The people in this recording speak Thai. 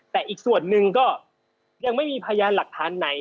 แต่อีกส่วนหนึ่งก็ยังไม่มีพยานหลักฐานไหน